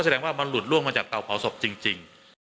แสดงว่ามันหลุดล่วงมาจากเตาเผาศพจริง